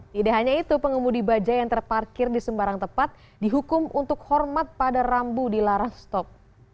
tidak hanya itu pengemudi bajai yang terparkir di sembarang tepat dihukum untuk hormat pada rambu dilarang stok